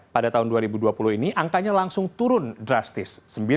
pada tahun dua ribu dua puluh ini angkanya langsung turun drastis